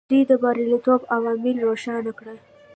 دوی د بریالیتوب عوامل روښانه کړل.